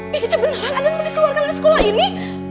din ini sebenarnya anand mau dikeluarkan dari sekolah ini